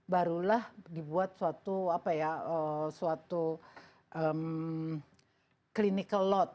barulah dibuat suatu clinical load